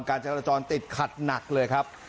การจราจรติดขัดหนักเลยครับ